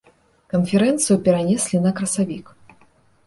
Канферэнцыю перанеслі на красавік.